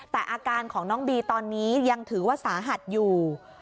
แต่อาการของน้องบีตอนนี้ยังถือว่าสาหัสอยู่